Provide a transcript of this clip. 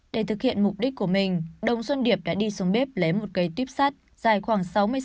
để thực hiện mục đích của mình đồng xuân điệp đã đi xuống bếp lấy một cây tuyếp sắt dài khoảng sáu mươi cm